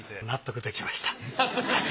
納得できました。